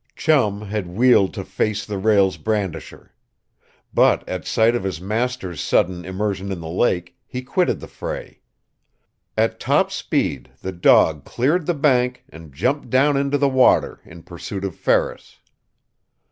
Chum had wheeled to face the rail's brandisher. But at sight of his master's sudden immersion in the lake, he quitted the fray. At top speed the dog cleared the bank and jumped down into the water in pursuit of Ferris.